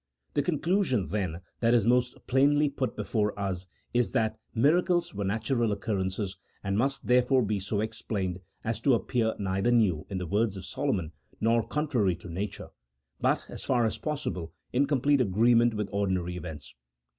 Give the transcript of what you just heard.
The conclusion, then, that is most plainly put before us is, that miracles were natural occurrences, and must there fore be so explained as to appear neither new (in the words of Solomon) nor contrary to nature, but, as far as possible, in complete agreement with ordinary events.